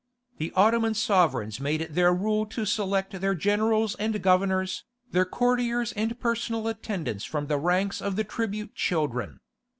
The Ottoman sovereigns made it their rule to select their generals and governors, their courtiers and personal attendants from the ranks of the tribute children.